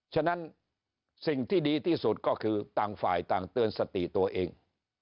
ฉะนั้นสิ่งที่ดีที่สุดก็คือต่างฝ่ายต่างเตือนสติตัวเอง